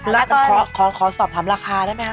แล้วก็แล้วคอคอคอสอบทำราคาได้ไหมฮะ